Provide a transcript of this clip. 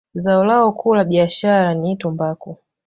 Zao lao kuu la biashara ni tumbaku.